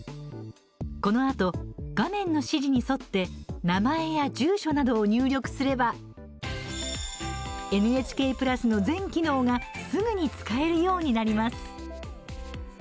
このあと、画面の指示に沿って名前や住所などを入力すればＮＨＫプラスの全機能がすぐに使えるようになります。